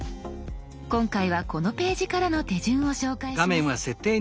今回はこのページからの手順を紹介します。